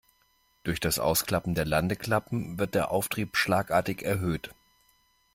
Durch das Ausklappen der Landeklappen wird der Auftrieb schlagartig erhöht.